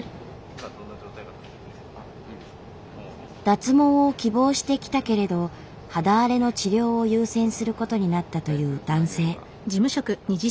脱毛を希望して来たけれど肌荒れの治療を優先することになったという男性。